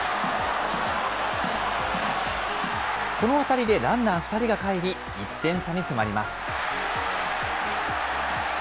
この当たりでランナー２人がかえり、１点差に迫ります。